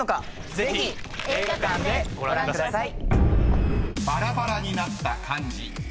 ぜひ映画館でご覧ください。